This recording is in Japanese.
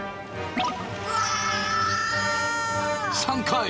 ３回。